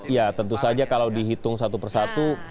ya tentu saja kalau dihitung satu persatu